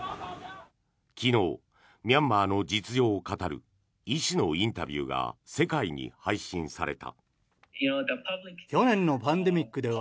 昨日、ミャンマーの実情を語る医師のインタビューが世界に配信された。